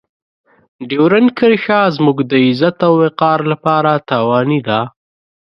ډیورنډ کرښه زموږ د عزت او وقار لپاره تاواني ده.